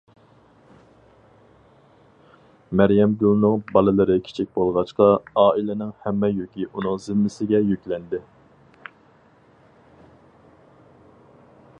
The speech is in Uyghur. مەريەمگۈلنىڭ بالىلىرى كىچىك بولغاچقا، ئائىلىنىڭ ھەممە يۈكى ئۇنىڭ زىممىسىگە يۈكلەندى.